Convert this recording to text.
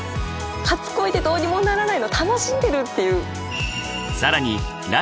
初恋ってどうにもならないの楽しんでるっていう。